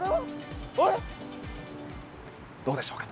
どうでしょうかね。